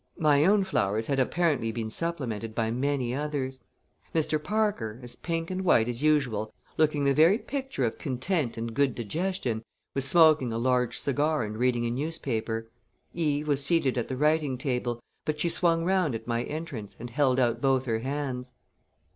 My own flowers had apparently been supplemented by many others. Mr. Parker, as pink and white as usual, looking the very picture of content and good digestion, was smoking a large cigar and reading a newspaper. Eve was seated at the writing table, but she swung round at my entrance and held out both her hands.